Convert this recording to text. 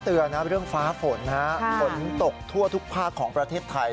เตือนนะเรื่องฟ้าฝนฝนตกทั่วทุกภาคของประเทศไทย